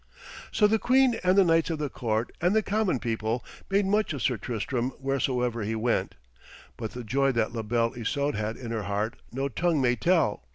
So the queen and the knights of the court and the common people made much of Sir Tristram wheresoever he went; but the joy that La Belle Isoude had in her heart no tongue may tell.